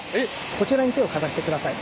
こちらに手をかざしてください。